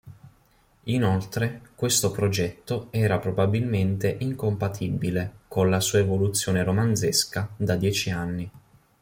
Inoltre, questo progetto era probabilmente incompatibile colla sua evoluzione romanzesca da dieci anni.